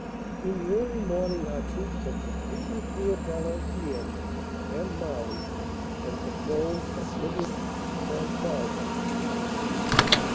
In the early morning our troops had completely cleared Valenciennes and Marly, and patrols had entered St. Saulve."